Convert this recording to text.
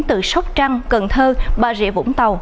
từ sóc trăng cần thơ bà rịa vũng tàu